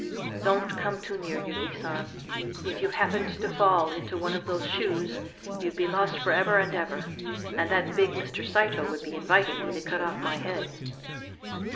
"Don't come too near, Yuki San. If you happened to fall into one of those shoes, you'd be lost for ever and ever, and that big Mr. Saito would be inviting me to cut off my head."